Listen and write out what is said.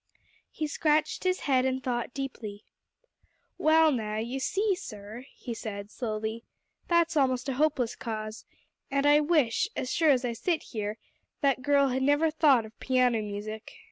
He scratched his head and thought deeply. "Well, now, you see, sir," he said slowly, "that's almost a hopeless case, and I wish, as sure as I sit here, that girl hadn't never thought of piano music.